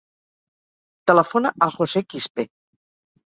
Telefona al José Quispe.